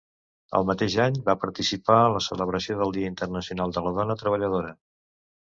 El mateix any va participar en la celebració del Dia Internacional de la Dona Treballadora.